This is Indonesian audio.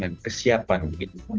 dan kesiapan begitu